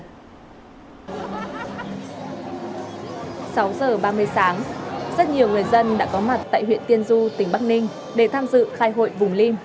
sáu h ba mươi sáng rất nhiều người dân đã có mặt tại huyện tiên du tỉnh bắc ninh để tham dự khai hội vùng lim hai nghìn hai mươi ba